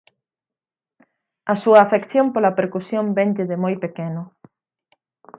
A súa afección pola percusión venlle de moi pequeno.